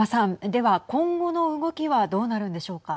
では、今後の動きはどうなるんでしょうか。